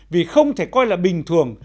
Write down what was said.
vì không thể coi là bình thường